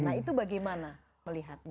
nah itu bagaimana melihatnya